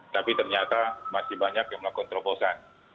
tapi ternyata masih banyak yang melakukan terobosan